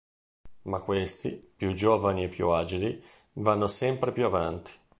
Ma questi, più giovani e più agili, vanno sempre più avanti.